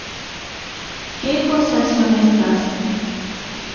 ¿Qué cosas son estas?